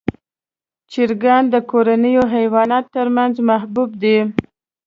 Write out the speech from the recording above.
چرګان د کورنیو حیواناتو تر منځ محبوب دي.